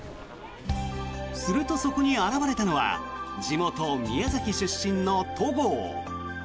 すると、そこに現れたのは地元・宮崎出身の戸郷。